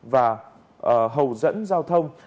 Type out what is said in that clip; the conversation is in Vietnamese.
và hầu dẫn giao thông